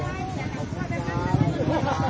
อันดับอันดับอันดับอันดับ